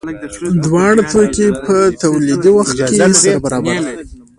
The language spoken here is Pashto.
دواړه توکي په تولیدي وخت کې سره برابر دي.